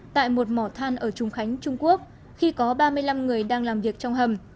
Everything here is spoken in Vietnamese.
tại một mỏ than ở trung khánh trung quốc khi có ba mươi năm người đang làm việc trong hầm